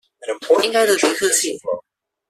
應該的，別客氣！